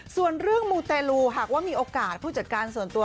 ส่วนเรื่องมูเตลูหากว่ามีโอกาสผู้จัดการส่วนตัว